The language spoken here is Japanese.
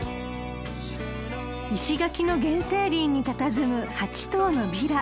［石垣の原生林にたたずむ８棟のヴィラ］